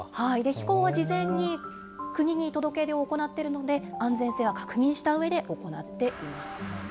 飛行は事前に国に届け出を行っているので、安全性は確認したうえで行っています。